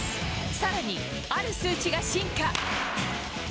さらに、ある数値が進化。